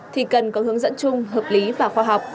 thì cần có hướng dẫn chung hợp lý và khoa học